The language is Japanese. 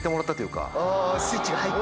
スイッチが入った。